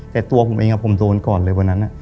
แต่ตัวผมเองผมโดนก่อนเลยวันนั้น